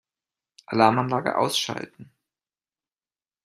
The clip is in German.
Alarmanlage ausschalten.